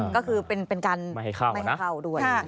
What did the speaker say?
ก็คือเป็นการไม่ให้เข้าด้วย